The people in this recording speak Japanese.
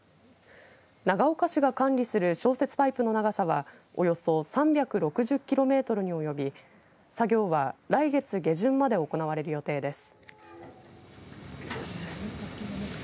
長岡市が管理する消雪パイプの長さはおよそ３６０キロメートルに及び作業は来月下旬まで行われる予定です。